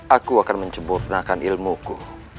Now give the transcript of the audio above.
aku akan mencemburnakan ilmuku